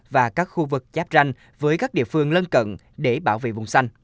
và các khu vực giáp ranh với các địa phương lân cận để bảo vệ vùng xanh